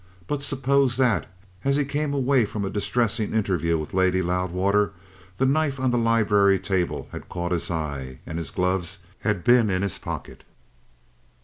But suppose that, as he came away from a distressing interview with Lady Loudwater, the knife on the library table had caught his eye and his gloves had been in his pocket?